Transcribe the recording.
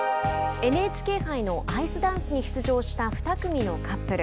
ＮＨＫ杯のアイスダンスに出場した２組のカップル。